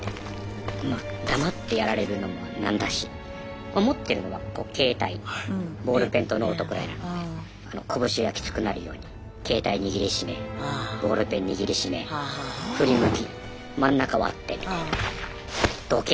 まあ黙ってやられるのも何だし持ってるのは携帯ボールペンとノートくらいなので拳がきつくなるように携帯握り締めボールペン握り締め振り向き真ん中割ってみたいな。